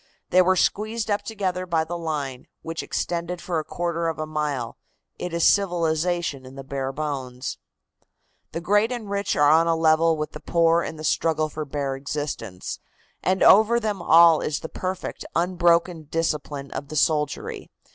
They were squeezed up together by the line, which extended for a quarter of a mile. It is civilization in the bare bones. "The great and rich are on a level with the poor in the struggle for bare existence, and over them all is the perfect, unbroken discipline of the soldiery.